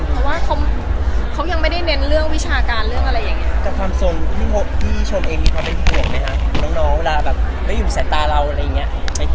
เพราะว่าเขายังไม่ได้เน้นเรื่องวิชาการเรื่องอะไรอย่างนี้